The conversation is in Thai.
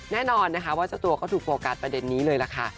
แน่นอนนะคะว่าเจ้าตัวก็ถูกโฟกัสประเด็นนี้เลยล่ะค่ะ